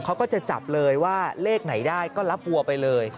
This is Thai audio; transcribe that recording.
เขาก็จะจับเลยว่าเลขไหนได้ก็รับวัวไปเลย